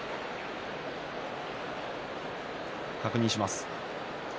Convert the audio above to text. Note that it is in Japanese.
確認します。